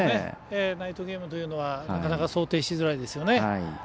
ナイトゲームというのはなかなか想定しづらいですよね。